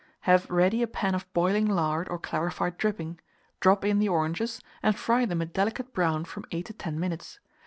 Have ready a pan of boiling lard or clarified dripping; drop in the oranges, and fry them a delicate brown from 8 to 10 minutes.